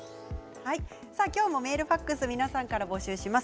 今日もメール、ファックス皆さんから募集します。